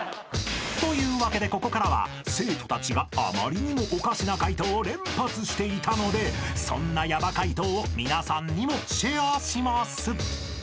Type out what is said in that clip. ［というわけでここからは生徒たちがあまりにもおかしな解答を連発していたのでそんなヤバ解答を皆さんにもシェアします］